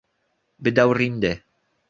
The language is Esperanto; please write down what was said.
bedaurinde